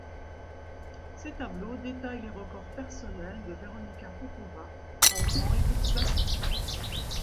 Ces tableaux détaillent les records personnels de Veronika Popova en grand et petit bassin.